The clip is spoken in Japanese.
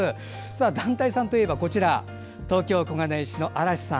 団体さんといえば東京・小金井市のあらしさん。